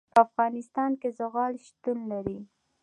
په افغانستان کې زغال شتون لري.